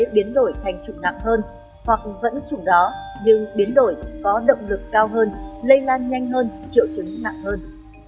biến đổi thành chủng nặng hơn hoặc vẫn chủng đó nhưng biến đổi có động lực cao hơn lây lan nhanh hơn triệu chứng nặng hơn